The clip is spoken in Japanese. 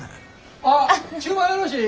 あっ注文よろしい？